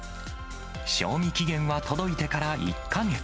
賞味期限は届いてから１か月。